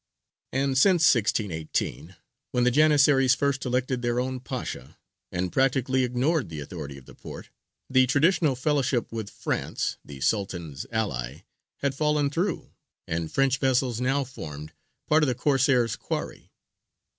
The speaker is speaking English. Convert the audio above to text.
" And since 1618, when the Janissaries first elected their own Pasha, and practically ignored the authority of the Porte, the traditional fellowship with France, the Sultan's ally, had fallen through, and French vessels now formed part of the Corsairs' quarry.